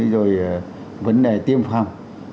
rồi vấn đề tiêm phạt